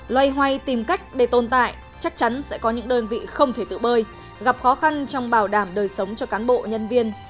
loay hoay tìm cách để tồn tại chắc chắn sẽ có những đơn vị không thể tự bơi gặp khó khăn trong bảo đảm đời sống cho cán bộ nhân viên